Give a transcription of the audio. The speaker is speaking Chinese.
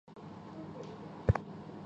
整个工程共分三期。